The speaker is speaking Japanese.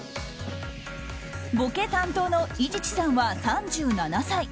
ボケ担当の伊地知さんは３７歳。